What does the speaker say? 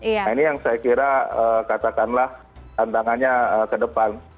nah ini yang saya kira katakanlah tantangannya ke depan